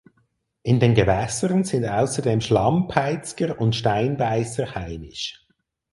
In den Gewässern sind außerdem Schlammpeitzger und Steinbeißer heimisch.